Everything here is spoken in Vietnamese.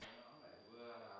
giảm nghèo ở địa phương